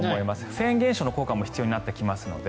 フェーン現象の効果も必要になってきますので。